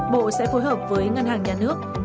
bộ sẽ phối hợp với ngân hàng nhà nước